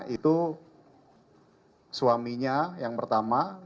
itu suaminya yang pertama